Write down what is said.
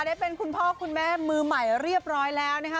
ได้เป็นคุณพ่อคุณแม่มือใหม่เรียบร้อยแล้วนะคะ